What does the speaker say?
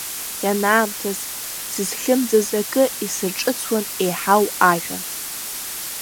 Ианаамҭаз сызхьымӡаз акы, исырҿыцуан еиҳау ажәан.